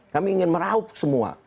kami ingin meraup semua